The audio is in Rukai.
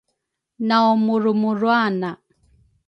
naw murumuruana